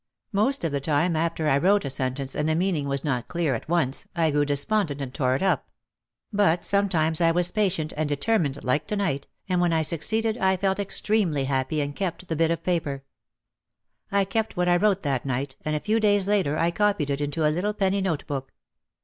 Most of the time after I wrote a sentence and the meaning was not clear at once I grew despondent and tore it up. But sometimes I was patient and de termined like to night, and when I succeeded I felt ex tremely happy and kept the bit of paper. I kept what I wrote that night and a few days later I copied it into a little penny note book.